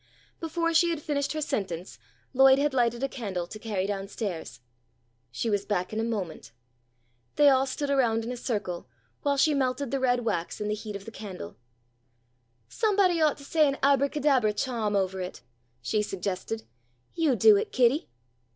Before she had finished her sentence Lloyd had lighted a candle to carry down stairs. She was back in a moment. They all stood around in a circle while she melted the red wax in the heat of the candle. "Somebody ought to say an abracadabra charm ovah it," she suggested. "You do it, Kitty."